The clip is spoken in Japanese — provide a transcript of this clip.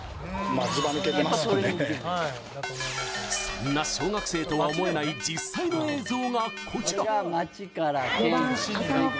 そんな小学生とは思えない実際の映像はこちら。